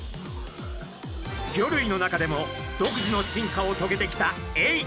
魚類の中でも独自の進化をとげてきたエイ。